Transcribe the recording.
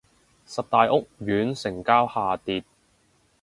十大屋苑成交下跌